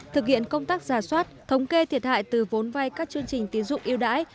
thực hiện công tác giả soát thống kê thiệt hại từ vốn vay các chương trình tín dụng yêu đãi